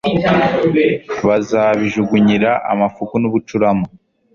bazabijugunyira amafuku n'ubucurama